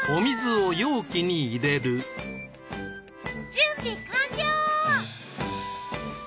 準備完了！